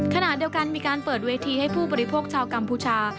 ขณะเดียวกันมีการเปิดเวทีให้ผู้บริโภคชาวกัมพูชา